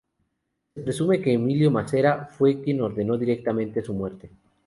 Se presume que Emilio Massera fue quien ordenó directamente su muerte.